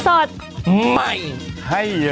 โอ้โอ้โอ้